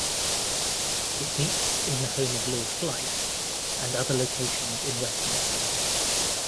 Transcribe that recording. It meets in the home of Lord Flight and other locations in Westminster.